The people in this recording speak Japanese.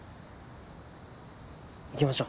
行きましょう。